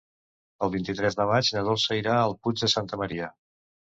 El vint-i-tres de maig na Dolça irà al Puig de Santa Maria.